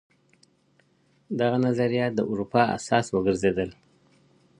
دغه نظريات د اروپا اساس وګرځېدل.